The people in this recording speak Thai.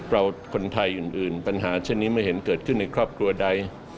คนไทยอื่นปัญหาเช่นนี้ไม่เห็นเกิดขึ้นในครอบครัวใด